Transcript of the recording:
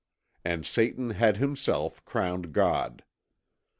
And Satan had himself crowned God.